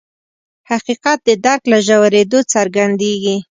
حقیقت د درک له ژورېدو څرګندېږي.